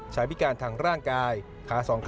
ชายพิการทางร่างกายขาสองข้างมา